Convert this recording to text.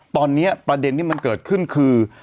ตอนนี้ประเด็นที่มันเกิดขึ้นคือ